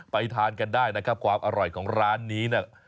ทานกันได้นะครับความอร่อยของร้านนี้เนี่ย